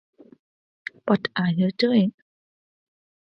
Intended to provoke someone else.